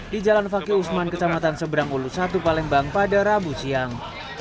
di jalan fakih usman kecamatan seberang ulus satu palembang pada rabu siang